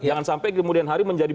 jangan sampai kemudian hari menjadi